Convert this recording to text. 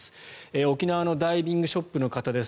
沖縄のダイビングショップの方です。